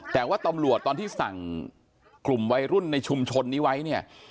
แต่ว่าตำรวจตอนที่สั่งกลุ่มวัยรุ่นในชุมชนนี้ไว้เนี่ย